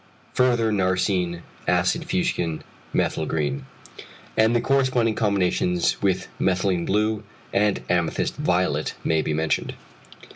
Further narcëin acid fuchsin methyl green, and the corresponding combinations with methylene blue, and amethyst violet may be mentioned.